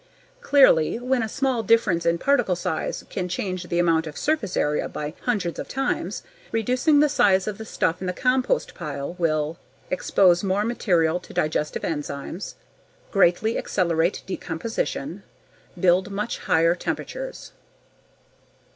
Clearly, when a small difference in particle size can change the amount of surface area by hundreds of times, reducing the size of the stuff in the compost pile will: expose more material to digestive enzymes; greatly accelerate decomposition; build much higher temperatures.